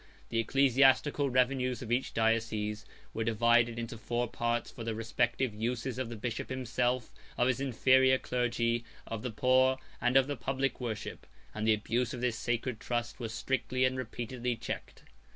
The ecclesiastical revenues of each diocese were divided into four parts for the respective uses of the bishop himself, of his inferior clergy, of the poor, and of the public worship; and the abuse of this sacred trust was strictly and repeatedly checked.